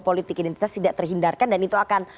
politik identitas tidak terhindarkan dan itu akan